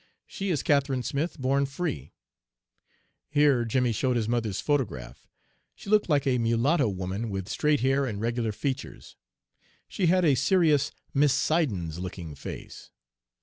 "'She is Catherine Smith, born free.' Here Jimmy showed his mother's photograph. She looked like a mulatto woman, with straight hair and regular features. She had a serious, Miss Siddons looking face.